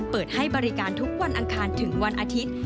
เปิดให้บริการทุกวันอังคารถึงวันอาทิตย์